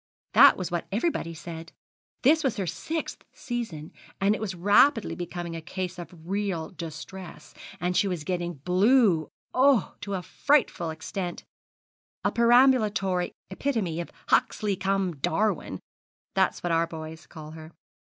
'That was what everybody said. This was her sixth season, and it was rapidly becoming a case of real distress, and she was getting blue, oh, to a frightful extent a perambulatory epitome of Huxley cum Darwin, that's what our boys call her.